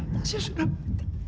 tasya sudah mati